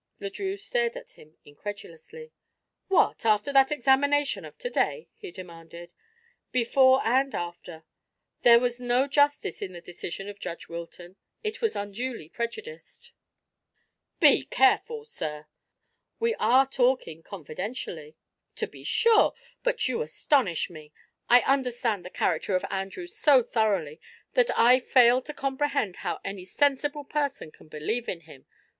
Le Drieux stared at him incredulously. "What, after that examination of to day?" he demanded. "Before and after. There was no justice in the decision of Judge Wilton; he was unduly prejudiced." "Be careful, sir!" "We are talking confidentially." "To be sure. But you astonish me. I understand the character of Andrews so thoroughly that I fail to comprehend how any sensible person can believe in him.